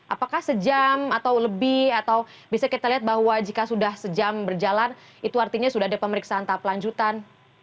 apakah sejam atau lebih atau bisa kita lihat bahwa jika sudah sejam berjalan itu artinya sudah ada pemeriksaan tahap lanjutan